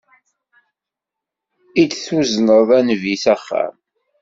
I d-tuzneḍ a Nnbi s axxam.